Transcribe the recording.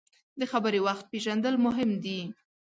د خبرې وخت پیژندل مهم دي.